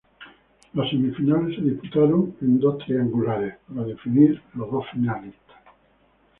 Las semifinales se disputaron en dos triangulares, para definir los dos finalistas.